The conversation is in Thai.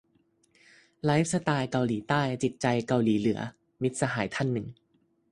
"ไลฟ์สไตล์เกาหลีใต้ จิตใจเกาหลีเหลือ" - มิตรสหายท่านหนึ่ง